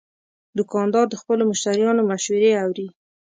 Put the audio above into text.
دوکاندار د خپلو مشتریانو مشورې اوري.